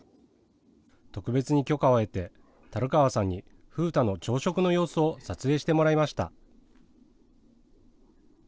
特別に許可を得て、樽川さんに風太の朝食の様子を撮影してもらいました。